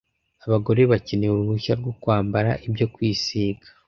abagore bakeneye uruhushya rwo kwambara ibyo kwisiga